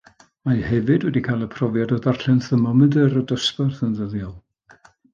Mae hefyd wedi cael y profiad o ddarllen thermomedr y dosbarth yn ddyddiol